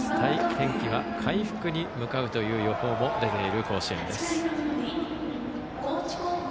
天気は回復に向かう予報も出ている甲子園です。